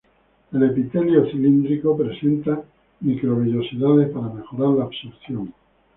El epitelio cilíndrico presenta microvellosidades para mejorar la absorción.